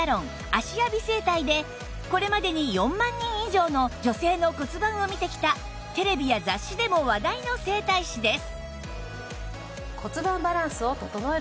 芦屋美整体でこれまでに４万人以上の女性の骨盤を見てきたテレビや雑誌でも話題の整体師です